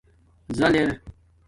زَل اِر